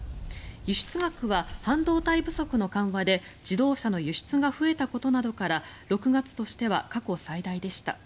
輸出額は半導体不足の緩和で自動車の輸出が増えたことなどから６月としては過去最大でした。